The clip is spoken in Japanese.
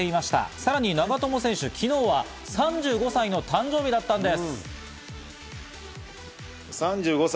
さらに長友選手、昨日は３５歳の誕生日だったんです。